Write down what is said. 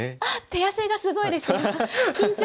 あっ手汗がすごいです今。